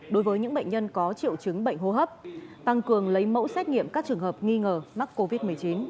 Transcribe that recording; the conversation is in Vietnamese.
đối với những bệnh nhân có triệu chứng bệnh hô hấp tăng cường lấy mẫu xét nghiệm các trường hợp nghi ngờ mắc covid một mươi chín